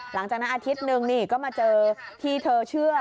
หลังจากนั้นอาทิตย์หนึ่งก็มาเจอที่เธอเชื่อ